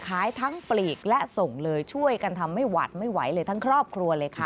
ขายทั้งปลีกและส่งเลยช่วยกันทำให้หวัดไม่ไหวเลยทั้งครอบครัวเลยค่ะ